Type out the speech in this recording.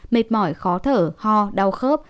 mệt mỏi khó thở ho đau khớp